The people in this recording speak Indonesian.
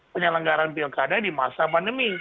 penyelenggaran pilkada di masa pandemi